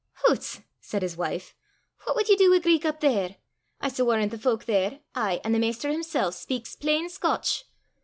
"Hoots!" said his wife, "what wad ye du wi' Greek up there! I s' warran' the fowk there, ay, an' the maister himsel', speyks plain Scotch!